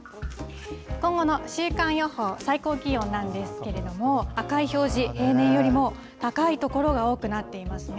今後の週間予報、最高気温なんですけれども、赤い表示、平年よりも高い所が多くなっていますね。